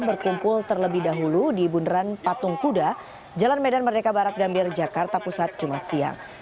berkumpul terlebih dahulu di bundaran patung kuda jalan medan merdeka barat gambir jakarta pusat jumat siang